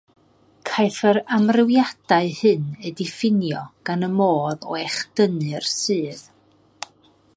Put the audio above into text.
Caiff yr amrywiadau hyn eu diffinio gan y modd o echdynnu'r sudd.